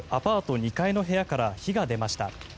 ２階の部屋から火が出ました。